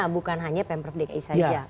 bukan hanya pemprov dki saja